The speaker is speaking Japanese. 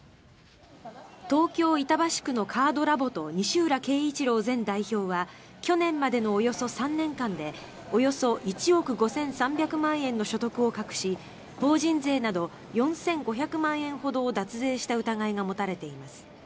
東京・板橋区のカードラボと西浦恵一郎前代表は去年までのおよそ３年間でおよそ１億５３００万円の所得を隠し法人税など４５００万円ほどを脱税した疑いが持たれています。